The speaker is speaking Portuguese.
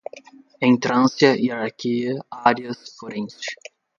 entrância, hierarquia, áreas, forense